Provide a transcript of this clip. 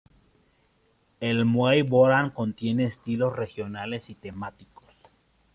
El muay boran contiene estilos regionales y temáticos.